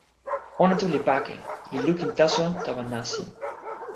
ona tu li pake, li lukin taso tawa nasin.